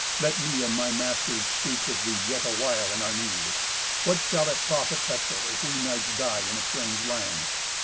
Let me and my masters speak with thee yet awhile in our need. What shall it profit Etzel if we knights die in a strange land?